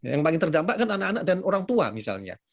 yang paling terdampak kan anak anak dan orang tua misalnya